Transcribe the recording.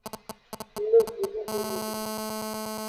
Le jidudu me.